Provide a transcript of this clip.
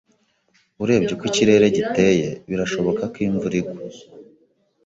Urebye uko ikirere giteye, birashoboka ko imvura igwa.